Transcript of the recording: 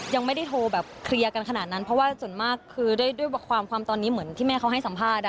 ยังไม่ได้โทรแบบเคลียร์กันขนาดนั้นเพราะว่าส่วนมากคือด้วยความความตอนนี้เหมือนที่แม่เขาให้สัมภาษณ์